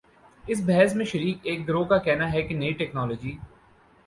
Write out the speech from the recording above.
اس بحث میں شریک ایک گروہ کا کہنا ہے کہ نئی ٹیکنالوجی